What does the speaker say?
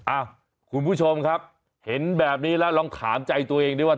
อ้าวคุณผู้ชมครับเห็นแบบนี้แล้วลองถามใจตัวเองด้วยว่า